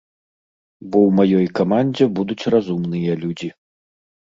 Бо ў маёй камандзе будуць разумныя людзі.